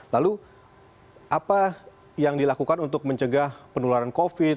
lalu apa yang dilakukan untuk mencegah penularan covid